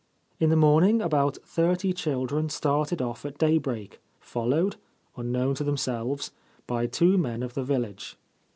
In the morning about thirty children started off at daybreak, followed, unknown to themselves, by two men of the village.